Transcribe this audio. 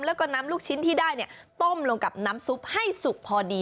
แล้วก็นำลูกชิ้นที่ได้ต้มลงกับน้ำซุปให้สุกพอดี